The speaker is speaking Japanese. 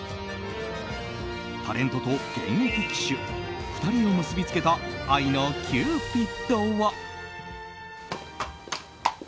タレントと現役騎手２人を結び付けた愛のキューピッドは。